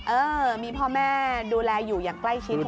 เออมีพ่อแม่ดูแลอยู่อย่างใกล้ชิ้นของเด็ก